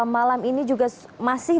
malam ini juga masih